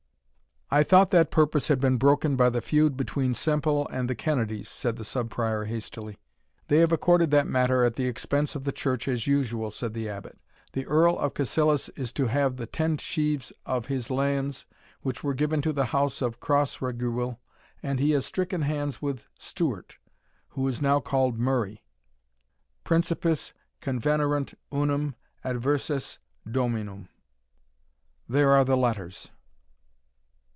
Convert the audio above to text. "I thought that purpose had been broken by the feud between Semple and the Kennedies," said the Sub Prior, hastily. "They have accorded that matter at the expense of the church as usual," said the Abbot; "the Earl of Cassilis is to have the teind sheaves of his lands, which were given to the house of Crossraguel, and he has stricken hands with Stewart, who is now called Murray. Principes convenerunt unum adversus Dominum. There are the letters."